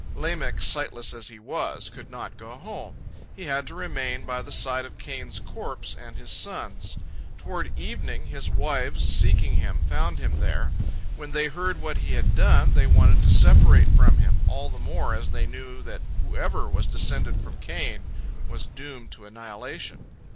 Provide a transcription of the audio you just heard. Lamech, sightless as he was, could not go home; he had to remain by the side of Cain's corpse and his son's. Toward evening, his wives, seeking him, found him there. When they heard what he had done, they wanted to separate from him, all the more as they knew that whoever was descended from Cain was doomed to annihilation.